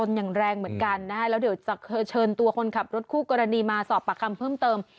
อย่างแรงเหมือนกันนะฮะแล้วเดี๋ยวจะเชิญตัวคนขับรถคู่กรณีมาสอบปากคำเพิ่มเติม